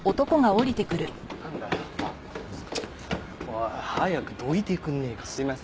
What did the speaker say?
おい早くどいてくんねえかな。